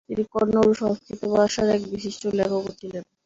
তিনি কন্নড় ও সংস্কৃত ভাষার এক বিশিষ্ট লেখকও ছিলেন।